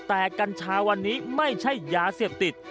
แต่กัญชาวันนี้ไม่ใช่ยาเสพติด